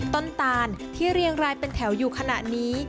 ตานที่เรียงรายเป็นแถวอยู่ขณะนี้